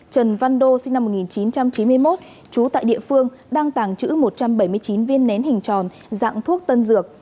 trần văn đô sinh năm một nghìn chín trăm chín mươi một trú tại địa phương đang tàng trữ một trăm bảy mươi chín viên nén hình tròn dạng thuốc tân dược